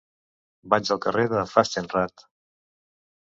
Vaig al carrer de Fastenrath.